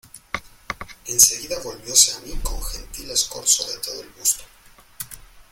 en seguida volvióse a mí con gentil escorzo de todo el busto: